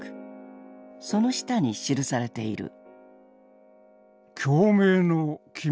その下に記されている。